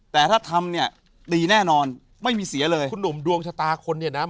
แต่ถ้าทำเนี่ยดีแน่นอนไม่มีเสียเลยคุณหนุ่มดวงชะตาคนเนี่ยนะ